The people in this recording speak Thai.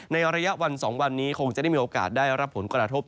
ในระยะวัน๒วันนี้คงจะได้มีโอกาสได้รับผลกระทบ